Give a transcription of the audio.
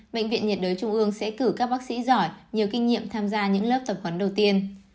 bệnh viện nhiệt đới trung ương sẽ cử các bác sĩ giỏi nhiều kinh nghiệm tham gia những lớp tập huấn đầu tiên